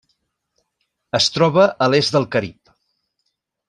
Es troba a l'est del Carib.